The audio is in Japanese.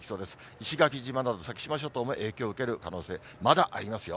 石垣島など先島諸島も影響を受ける可能性、まだありますよ。